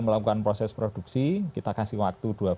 melakukan proses produksi kita kasih waktu